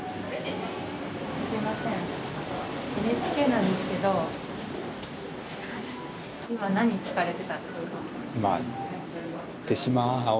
ＮＨＫなんですけどいま何聴かれてたんですか？